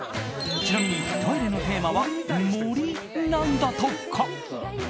ちなみにトイレのテーマは森なんだとか。